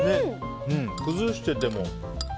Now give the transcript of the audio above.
崩してても。